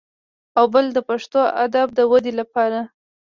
او بل د پښتو ادب د ودې لپاره